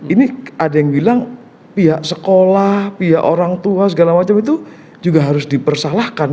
ini ada yang bilang pihak sekolah pihak orang tua segala macam itu juga harus dipersalahkan